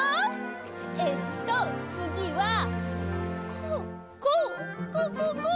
えっとつぎはこうこうこうこうこう。